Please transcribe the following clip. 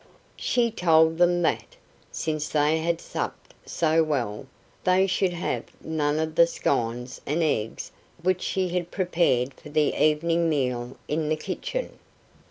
She told them that, since they had supped so well, they should have none of the scones and eggs which she had prepared for the evening meal in the kitchen.